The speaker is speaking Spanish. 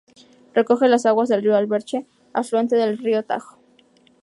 Recoge las aguas del río Alberche, afluente del río Tajo.